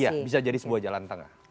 iya bisa jadi sebuah jalan tengah